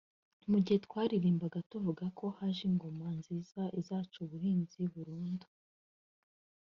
Mugihe twaririmbaga tuvugako haje ingoma nziza izaca ubuhunzi burundu